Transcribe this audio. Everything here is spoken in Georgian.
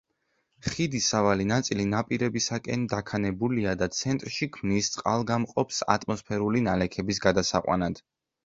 ხიდის სავალი ნაწილი ნაპირებისაკენ დაქანებულია და ცენტრში ქმნის წყალგამყოფს ატმოსფერული ნალექების გადასაყვანად.